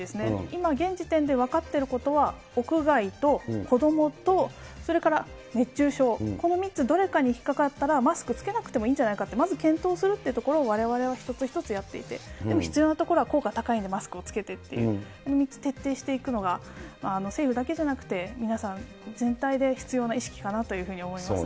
今、現時点で分かってることは、屋外と子どもとそれから熱中症、この３つどれかに引っかかったら、マスクを着けなくてもいいんじゃないかと、まず検討するっていうところを、われわれは一つ一つやっていって、でも必要なところは効果高いのでマスクをつけてっていう、この３つ、徹底していくのが、政府だけじゃなくて皆さん、全体で必要な意識かなというふうに思います。